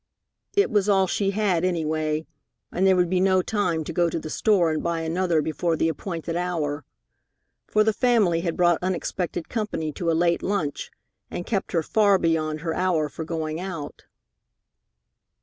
It was all she had, any way, and there would be no time to go to the store and buy another before the appointed hour, for the family had brought unexpected company to a late lunch and kept her far beyond her hour for going out.